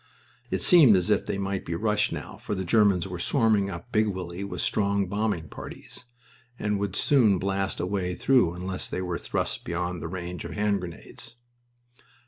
It seemed as if they might be rushed now, for the Germans were swarming up Big Willie with strong bombing parties, and would soon blast a way through unless they were thrust beyond the range of hand grenades.